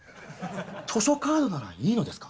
図書カードならいいのですか？